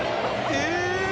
え！